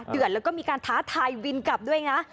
ดีและมีการท้าทายวินฯกราฟครับด้วยหละ